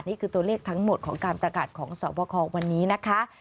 นี่คือตัวเลขทั้งหมดของการประกาศของสอบคอวันนี้นะคะ